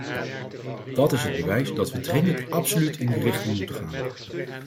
Dat is het bewijs dat we dringend absoluut in die richting moeten gaan.